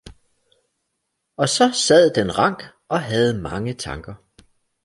og så sad den rank og havde mange tanker.